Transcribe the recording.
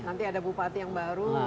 nanti ada bupati yang baru